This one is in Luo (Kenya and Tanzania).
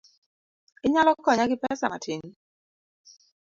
Inyalo konya gi pesa matin?